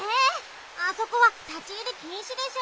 あそこはたちいりきんしでしょ！